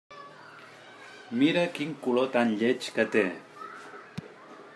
Mira quin color tan lleig que té!